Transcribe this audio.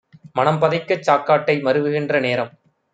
மனம்பதைக்கச் சாக்காட்டை மருவுகின்ற நேரம்